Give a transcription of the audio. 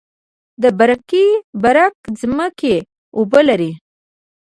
د برکي برک ځمکې اوبه لري